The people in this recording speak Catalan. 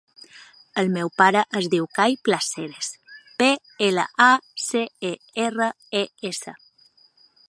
El meu pare es diu Kai Placeres: pe, ela, a, ce, e, erra, e, essa.